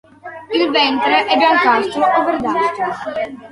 Il ventre è biancastro o verdastro.